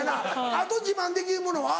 あと自慢できるものは？